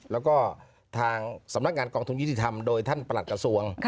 แล้วก็ทางสำนักงานกองทุนยุติธรรมโดยท่านประหลัดกระทรวง